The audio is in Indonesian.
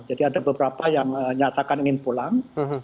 jadi ada beberapa yang nyatakan ingin pulang